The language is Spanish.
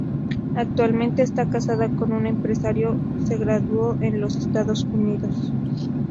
Actualmente está casada con un empresario se graduó en los Estados Unidos.